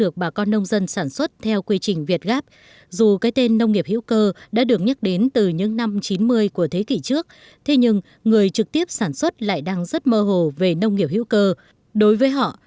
chỉ có một cái tên là nông nghiệp sạch hay rau sạch